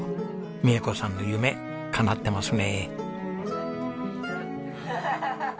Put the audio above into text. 美恵子さんの夢かなってますね。